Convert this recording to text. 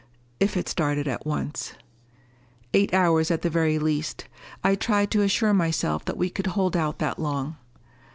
If it started at once.... Eight hours at the very least. I tried to assure myself that we could hold out that long.